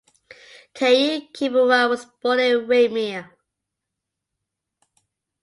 Ka‘iu Kimura was born in Waimea.